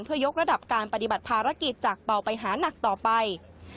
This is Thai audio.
เพื่อยกระดับการปฏิบัติภารกิจจากเป่าไปหานักต่อไป